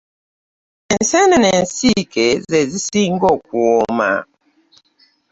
Ensenene ensike zizisinga okuwoma.